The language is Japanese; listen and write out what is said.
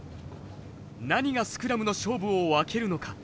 何がスクラムの勝負を分けるのか？